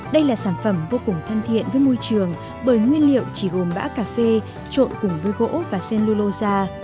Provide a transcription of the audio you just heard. đây là sản phẩm vô cùng thân thiện với môi trường bởi nguyên liệu chỉ gồm bã cà phê trộn cùng vui gỗ và sen lô lô ra